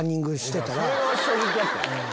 それ衝撃やった。